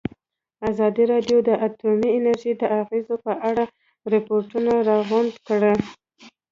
ازادي راډیو د اټومي انرژي د اغېزو په اړه ریپوټونه راغونډ کړي.